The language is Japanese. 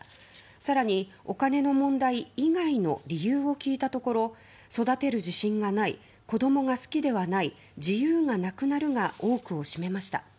更に、お金の問題以外の理由を聞いたところ育てる自信がない子供が好きではない自由がなくなるが多くを占めました。